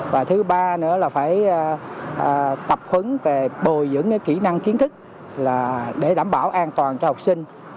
và thứ ba nữa là phải tập huấn về bồi dưỡng kỹ năng kiến thức để đảm bảo an toàn cho học sinh